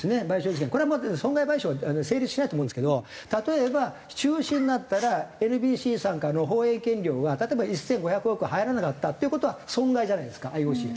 これは損害賠償は成立しないと思うんですけど例えば中止になったらＮＢＣさんからの放映権料が例えば１５００億入らなかったっていう事は損害じゃないですかＩＯＣの。